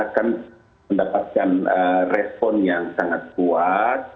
akan mendapatkan respon yang sangat kuat